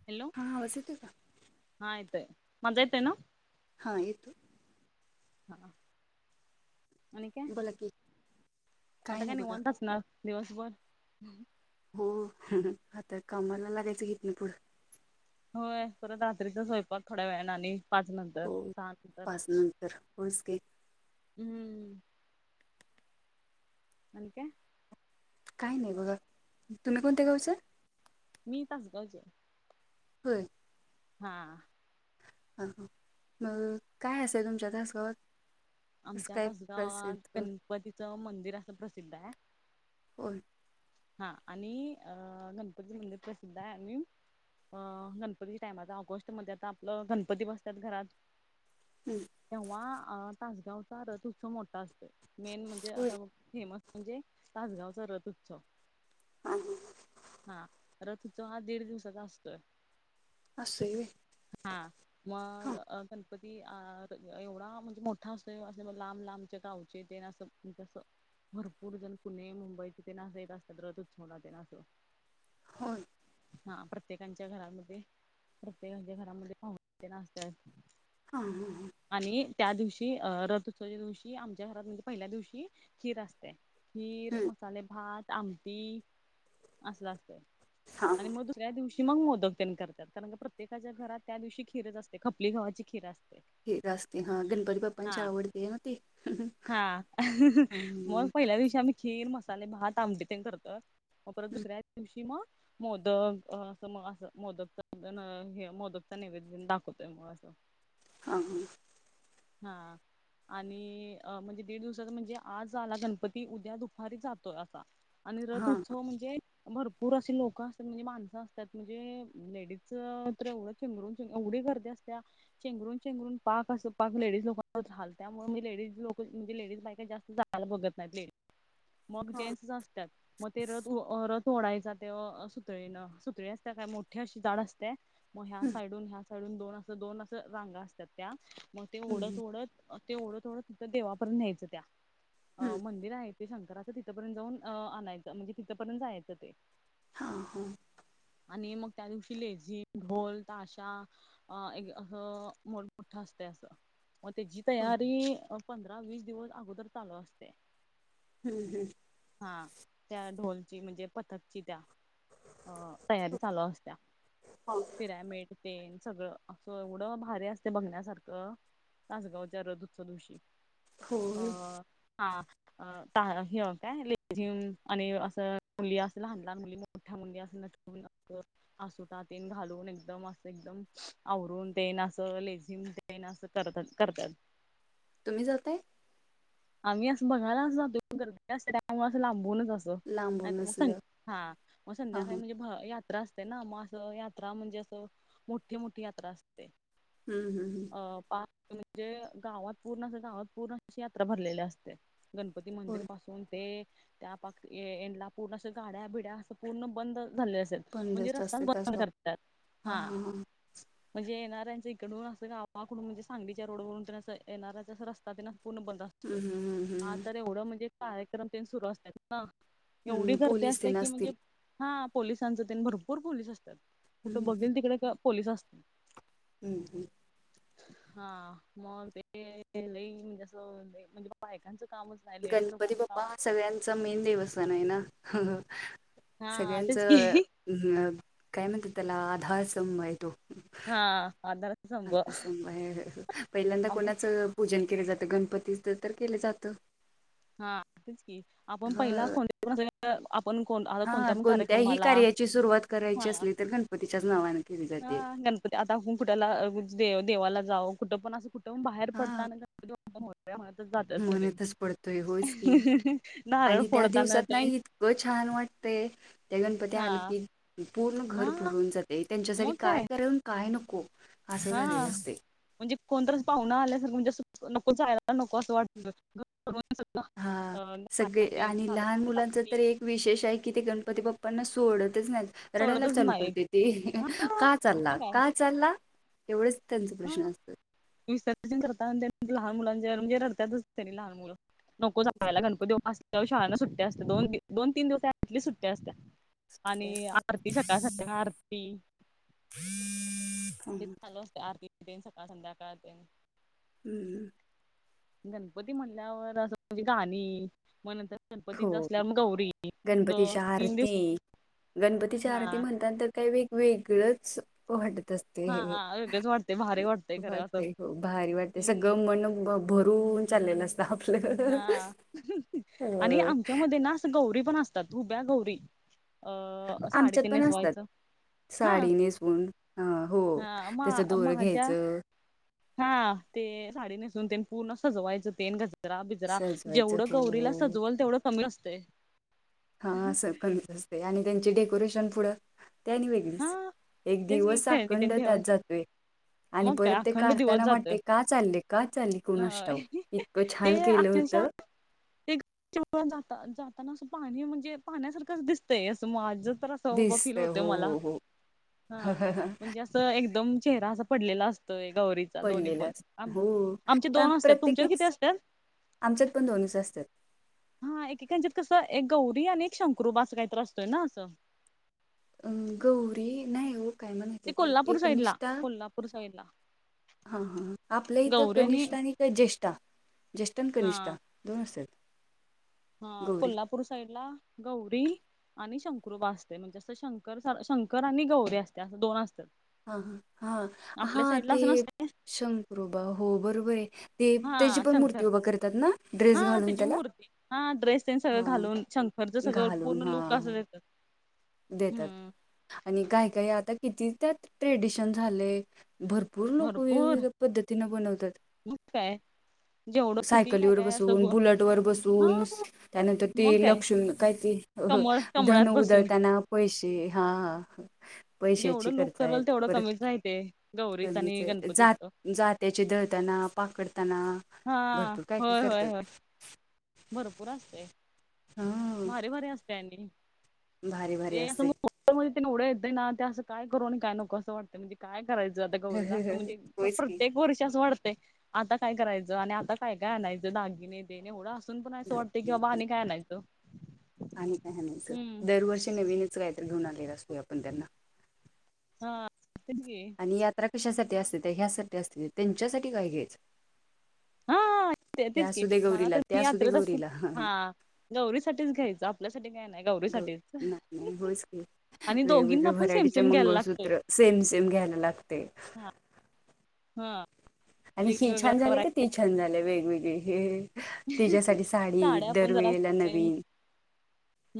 Hello. हां बसवतो की. माहिती हाय, मजा येते ना? हा येतोय. हा आणि काय? बोला कि. आता काय निवांत असणार दिवसभर? हो आता कमाला लागायचं ईथन पुढ. होय परत रात्रीचा स्वयंपाक थोड्या वेळानं आणि पाच नंतर हो. सहा नंतर. पाच [unintelligible] हम्म. आणि काय? काय नाही बघा, तुम्ही कोणत्या गावचं? मी तासगावची हाय. होय. हा. ह आ मग काय असेंल तुमचा तासगावात? असं आमच्या काय तासगावात प्रसिद्ध गणपतीचं मंदिर असं प्रसिद्ध आहे. हो. हा आणि अ गणपती मंदिर प्रसिद्ध आहे आणि अ गणपतीच्या टाइमाला आता ऑगस्टमध्ये आता आपलं गणपती बसत्यात घरात. [inaudible] [unintelligible] तेव्हा तासगावचा रथोत्सव मोठा असतो, मेन म्हणजे होय असं फेमस म्हणजे तासगावचा रथोत्सव. हा हा हा र [unintelligible] तुचा हा दीड दिवसाचा असतोय. असे व्हयं. हा. मग गणपती अं.. एवढा म्हणजे, मोठा असो अस लांब लांबचे गावचे ते असं. तसं भरपूर जण पुणे मुंबई तिथे, नासाेत असतात रथ उत्सवना ते ना असं. होय. हा प्रत्येकांच्या घरामध्ये, प्रत्येकच्या घरामध्ये, पाहूने तेन असत्यात. हा हा हं हं. आणि त्या दिवशी अं.. रथ उत्सवाच्या दिवशी आमच्या घरात म्हणजे, पहिल्या दिवशी खीर असत्या. खीर मसाले भात आमटी असलं, असते हा हा आणि मग दु दुसऱ्या दिवशी मग मोदक तेन करत्यात, कारण का प्रत्येकाच्या घरात त्या दिवशी खीरच असते, खपली गव्हाची खीर असते. हे रस्ते हा गणपती बापांच्या हा आवडते ना ते हम्म. त्या दिवशी आम्ही, खीर मसाले भात आमटी ते करतोय मग परत हम्म दुसऱ्या दिवशी मगं. मोदक असं मग असं मोदकचा, मोदकच नैवेद दाखवतोय मग असं. अं.. हं.. हां. आणि अं. म्हणजे दीड दिवसाचा म्हणजे, आज आला गणपती उद्या दुपारीत जातोय असा. आणि हा हा रथउत्सव म्हणजे, भरपूर असे लोकं असतात म्हणजे, माणसं असतात म्हणजे लेडीज तर एवढ. चेंगरूनंग एवढी गर्दी असत्या चेंगरून चेंगरून पाक अस. पाक लेडीज लोकांच झाल त्यामुळे, मी लेडीज लोक म्हणजे लेडीज बायका जास्त जायला बघत नाही. मग हा जेंट्सच असत्यात. मग ते रथ रथ ओढायचा ते सुतळेन, सुतळी असते काय मोठी अशी जाड असत्या. मग ह्या हम्म साइडून ह्या साइडून दोन अस दोन अस रांगा असतात त्या मग ते ओढत हम्म ओढत. ते ओढत ओढत तिथं देवापर्यंत न्यायचं त्या, अ हम्म मंदिर आहेत. ते शंकराचं तिथपर्यंत जाऊन आणायचं, म्हणजे तिथंपर्यंत जायचं ते. हा हो. आणि मग त्या, दिवशी लेझीम ढोल ताशा. अ एक असं मोठ मठा अस ते असं, मग त्याची होय हम्म तयारी पंधरा वीस दिवस अगोदर चालू असते. हम्म हम्म. हां.. त्या ढोलची म्हणजे, पथकची त्या अं.. तयारी चालू असत्या, हो पिरॅमिड. तेन सगळं असं एवढं, भारी असते बघण्यासारखं. तासगावच्या रथ उत्सवादिवशी अ होय हा अ ता हे. काय लेझीम आणि असं, मुली असं लहान लहान मुली मोठ्या मुली असं नटून [unintelligible] असुटातीन घालून एकदम असं, एकदम आवरून ते ना असं लेझीम ते ते न, असं करत्यात करत्यात. तुम्ही जाताय? आम्ही असं बघायला जातोय, गर्दी असते असं लांबूनच असतो. नाही तर मग लांबूनच सं हां हा, मग हां संध्याकाळी म्हणजे यात यात्रा असते ना मग असं यात्रा म्हणजे, असं मोठी मोठी यात्रा असते. हम् हम् हम. अ म्हणजे गावात पूर्ण असं, गावात पूर्ण अशी यात्रा भरलेली असते. गणपती मंदिर होय पासून ते, त्या पाक एंड पूर्ण असं, गाड्या बिड्या असं पूर्ण बंद झालेलं असत्यात. पंधरा म्हणजे तास रस्ताच ते बंद तासगाव करतात हां हा. हां हां म्हणजे येणाऱ्यांच्या इकडून असं गावाकडून म्हणजे, सांगलीच्या रोड वरून येण्याचा रस्ता तेन असं पूर्ण बंद असतं. हम्म हम्म हा हम्म तर एवढं म्हणजे कार्यक्रम तेन सुरू असतात. हा एवढी हम्म गर्दी पोलीस असते तेन की म्हणजे. असतील हा पोलिसांच तेनी भरपूर पोललीस असतात कुठं हम्म बघेल तिकडे ग पोलीस असत्यात. हं हं. हा म ते लई जस म्हणजे [unintelligible] [unintelligible] बायकांचं कामच नाही लेडीज लोकांचं काम च मेन देवस्थान आहे ना हा सगळ्यांच तेच की काय म्हणत्यात त्याला आधार आहे तो. हा आधार संभ ह सभ [unintelligible] पहिल्यांदा आपण कोणाच पूजन केले जातं गणपतीच तर केलं जातं. हा तेच की आपण पहिला ह कोण [unintelligible] आपण आता हा कोणत्या पण कोणत्याही कार्यक्रमाला कार्याची सुरुवात हा करायची असली तर गणपतीच्याच नावाने कती जाते. हा [unintelligible] गणपती आता कुठला देवाला जा कुठं पण असं कुठं पण बाहेर पडत हा आणिण गणपती बाप्पा मोरया. स म्हणतच जात्यात सगळी. तोय होयच की आणि त्या फोडताना दिवसात ना तेन इत व छान वाटतेय ते गणपती हा आले की. पूर्ण हा घर भरून जाते त्यांच्यासाठी काय करा काय नको. असं हा आ झालेलं असते म्हणजे कोणतच पाहुना आल्यासारखं म्हणजे अस नको जायला नको असं वाटत घर सर्वांसाठी. [unintelligible] हा ला अ [unintelligible] सगळे ट्रेन आणि चालत लहान मुलांच असताना तर की. [unintelligible] एक विशेष आहे की ते गणपती बाप्पांना सोडतच नाहीत. रडायला सोडतच चालू नाही करते ते, हा का चालला मग काय का चालला. एवढंच त्यांच हा प्रश्न असतात. विसर्जन करताना तेन, लहान मुलांच्या म्हणजे रडत्याच असतनी लहान मुलं. नको जायला गणपती अस, शाळांना सुट्ट्या असत्या, दोन दोन तीन दिवस सुट्ट्या असतात. आणि तेच तर. आरती सकाळ संध्याकाळ आरती. [inaudible] ते चालू असते, आरती देन सकाळ संध्याकाळ तेन. [inaudible] गणपती म्हणल्यावर असं, म्हणजे गाणी मग नंतर. हो गणपतीचा असल्या मग, गौरी दोन तीन दिवस. आरती गणपतीच्या आरती हा म्हणतात तर, काही वेगवेेगळंच वाटत असतं. ते हा वेगळंच वाटतय भारी खरं असं वाटतय हो भारी वाटते हम्म सगळ मन बघून. भरून चालले असत आपलं. हा आणि अ आमच्या मध्ये ना असं, गौरी पण असतात उभ्या गौरी. अं.. आमच्यात साडीतेन पण असतात नेसवायच. साडी नेसवून अं, हो हा मा तेच दोर माझ्या घ्यायचं. हा ते साडी नेसून ते पूर्ण, सजवायचं तेन गज गजरा बिजरा सजवायचं जेवढं, हो गौरीला हो सजवल तेवढं कमी असतंय. हा असं कमीच असते, आणि त्यांचे डेकोरेशन पुढं. ते आणि हा वेगळीच, एक तेच की दिवस खेळणी तेन अखंड त्यात ठेवायचं जातोय. आणि मग काय परत ते अखंड दिवस काढताना जातोय वाटते का, चालले का चालले कोणास ठाव, होय इतकं ते छान केलं अक्षरशः होतं. [inaudible] ते जात जाताना अस पाणी म्हणजे, पाण्यासारखं दिसतंय अस माझं तर असं. [unintelligible] फिल दिसतंय होते हो मला. हो हो हा म्हणजे असं एकदम चेहरा, असा पडलेला असतोय गौरीत. दोन्ही पडलेलं पन असतं हो आमचे पण दोन असत्यात, तुमच्यात किती प्रत्येकीच असतात. आमच्यात पण दोनच असतात. हा एकेकांच्यात कसं एक गौरी, आणि एक शंकरो बा असं काहीत असतोय ना असं. अं गौरी नाही हो काय म्हणायचं, ते तिला कोल्हापूर साईड ला एकनिष्ठा. कोल्हापूर साईड ला हा हा आपल्या इथं कनिष्ठ आणि काय ज्येष्ठ, ज्येष्ठ आणि हा कनिष्ठा. दोन असात्यात. हा कोल्हापूर साईडला गौरी. आणि शंकरूबा असते म्हणजे अस शंकर, शंकर आणि गौरी असते असं दोन असतात. हा ह, हा हा आपल्या साईडला ते असं नसत शंकरोबा हो बरोबर आहे. ते त्याची हा पण शंकर मूर्ती उभं करतात ना, ड्रेस हा घालून त्याची त्याला मूर्ती हा ड्रेस तेन सगळं हा. घालून शंकरचं सगळं घालून पूर्ण हा. लुक असं देतात. दे येतात हम्म. आणी काय काय आता किती त्यात ट्रेडीशन झालंय भरप पूर लोक वेगवेगळ्या पद्धतीनं बनवत्यात. मगत काय? जेवढं किती काय सायकलीवर काय असं बसवून, गो बुलेटवर हा बसवून, त्यानंतर ते मग काय लक्ष्मण काय ते? हो हो, कमळ कमळात धनू बसून उदळताना पैसे हा हा पैशाची जेवढं लुक खर्च करल आहेत, तेवढं परत कमीच राहते गौरीच कमीच आणि आहे. गणपतीच जात जाते चीदळतना, पाकडताना हा भरपूर काय काय होय होय करतात. होय भरपूर असतय, हा भारी भारी असतय आणि. भारी भारी असतय. तर म्हणजे तेवढ्या येतं ना ते असं काय करून आणि काय नको असं वाटतंय म्हणज काय करायचं आता गौरीला असं म्हणजे, प होयच की प्रत्येक वर्षी असं वाटतंय. आता काय करायचं आणि आता काय काय आणायचं? दागिने तेन एवढं अस तुम्ही पण असं वाटतय की बाबा आणि काय आणायचं. आणि काय आणायचं, हम्म दरवर्षी नवीनच काहीतरी घेऊन आलेला असतोय आपण त्यांना. हा तेच की. आणि यात्रा कशासाठी असतेत्या, ह्यासाठी असतेत्या. त्यांच्यासाठी काय घ्यायचं? हा ते हे तेच की असू दे मला गौरीला तर ते त असू दे यात्रेत असते गौरीला तर हा. गौरीसाठीच घ्यायचं आपल्यासाठी काय नाही. गौर गौरीसाठीच नाही नाही होयच की, आणि दोघींना वेगवेगळ्या पण सेम व्हरायटीचे सेम घ्यायला लागतंय. मंगळसूत्र. सेम सेम घ्यायला लागतय. हा हा आणि हे वेगवेगळ्या छान झालं का व्हरायटी ते छान झालं वेगवेगळे हे? त्याच्यासाठी साडी साड्या पण जरा दरवेळेला सेम नवीन.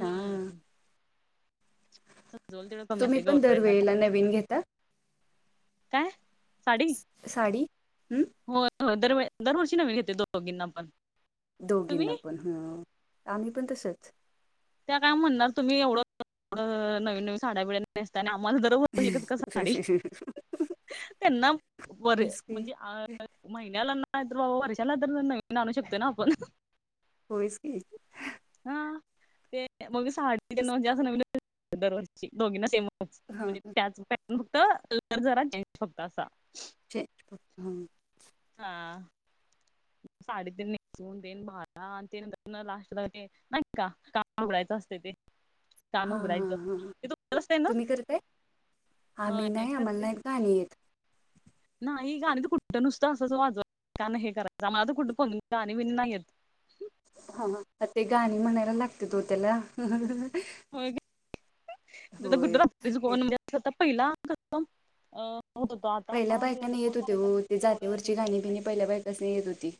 हा जाऊन तिकडं कमी तुम्ही असते, पण गौरीना त्रा दरवेळेला नवीन घेता काय साडी. साडी हम्म होय. हो दरवेळ, दरवर्षी नवीन घेते दो दोघींना पण. दोघींना तुम्ही पण हम्म, आम्ही पण तसंच. त्या काय म्हणणार, तुम्ही एवढं एवढ नवीन नवीन साड्या बिड्या नेस नेसताना आम्हाला दरवर्षी एकच का साडी? त्यांना बर होयच की म्हणजे अ महिन्याला ना तर बाबा वर्षाला तर इथन आणू शकते ना आपण. होईस की. हा. ते मग साडी ते म्हणजे असं नवनवीनच दरवर्षी दोघींना सेमच हा म्हणजे त्याच पॅट फक्त लेअर करा चेंज फक्त असा. चेंज फक्त, हं. हा साडी तेन नेसवून तेन भाला आणि तेन गंध लास्टला ते नाहीत का कान उघडायचं असते ते. न हां हां उघडयचं, हां ए तो पर्स हाय ना, तुम्ही करताय होय करते की गानी येत. नाही गाणी तर कुठं नुसत असं अस वाजवा का नाही हे करायं आ माझं कुठ तर कुठं कोण गाणी बिनी नाही आहेत. हा हा, मग ते गाणी म्हणायला लागतेत ओ त्याला. होय की? आता कुठं होय रात्रीच एक कोण म्हणजे आता पहिला कस्टम अ. होतं होतो, आता पहिल्या ते बायकांना कोण येत आता होते बायका हो ते तेवढं हे जातीवरची करत गाणी नाईत. बिणी पहिल्या बायकासनी येत होती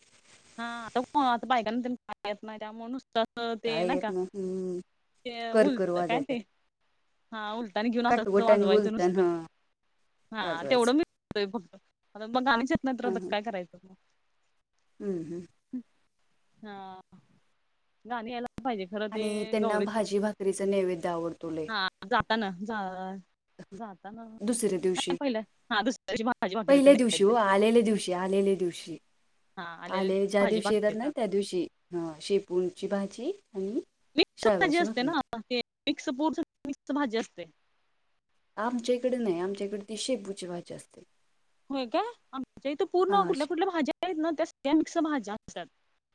हा आता को आता बायकांना पण खाय येत नाही त्यामुळं नुस्त. काय येत नाय हम्म. ते करकर उलत काय वाजवतं ते? हा उलतान घेऊन असं असं काटवट आणि वाजवायचं उलतान नुसतं. हां हा तेवढं वाजवायचं मी घेतोय फक्त, आता मग आम्हीच येत नाही, तर काय करायचं मग. अं हं. हम्म, हा गाणी यायला पाहिजे. खरं ते आणि त्यांना गौरीचं भाजी भाकरीच नैवेद्य आवडतो लय हा जाताना झा जाता ना दुसऱ्या दिवशी नाही पहिलं हा दुसऱ्याशी भाझी भाकरीच पहिल्या दिवशी हो नैवेद्य. आलेल्या दिवशी आलेल्या दिवशी, हा आलेले आले ज्या भाजी दिवशी येतात भाकायचा ना त्या दिवशी. हा, शेपूणची भाजी आणि मिक्स भाजी शाळवाची असते भाकरी ना, ते मिक्स पोरच मिक्स भाजी असते. आमच्याकडे नाही, आमच्याकडे ती शेपूची भाजी असते. होय काय? आमच्या इथ पूर्ण हां कुठल्या कुठल्या भाज्या आहेत ना त्या सगळ्या मिक्स भाज्या असत्यात.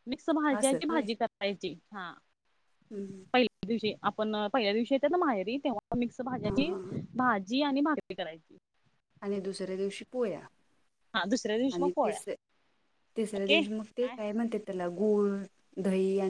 मिक्स भाज्या असंच की होय भाजी करायची, हा हां पहिल दिवशी आपण पहिल्या दिवशी येतात ना माहेरी, तेव्हा मिक्स भाज्याची. हां हां भाजी आणि भाकरी करायची. आणि दुसऱ्या दिवशी पोह्या. हा दुसऱ्या दिवशी मग आणि पोळ्या तिस तिसऱ्या दिवशी मग ते. काय म्हणते त्याला गुळ दही आणि